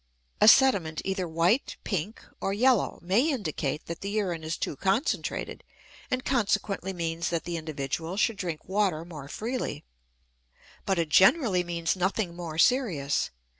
A sediment, either white, pink, or yellow, may indicate that the urine is too concentrated, and consequently means that the individual should drink water more freely; but it generally means nothing more serious.